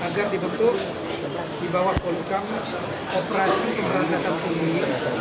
agar dibentuk di bawah polukan operasi keberadaan pesat pembunyi